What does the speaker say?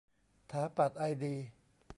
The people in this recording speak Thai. ถาปัตย์ไอดี